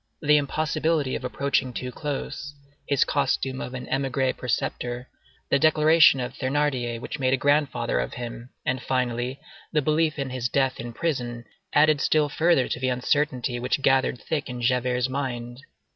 The impossibility of approaching too close, his costume of an émigré preceptor, the declaration of Thénardier which made a grandfather of him, and, finally, the belief in his death in prison, added still further to the uncertainty which gathered thick in Javert's mind.